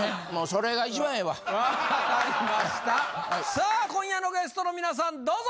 さあ今夜のゲストの皆さんどうぞ！